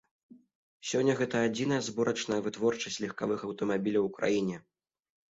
Сёння гэта адзіная зборачная вытворчасць легкавых аўтамабіляў у краіне.